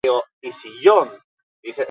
Estatu Batuetako liga behin irabazi du.